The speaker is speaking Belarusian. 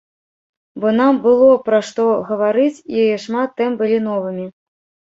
Бо нам было пра што гаварыць і шмат тэм былі новымі.